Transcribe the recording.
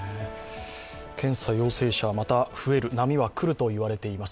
検査陽性者また増える、波は来ると言われています。